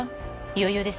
余裕です。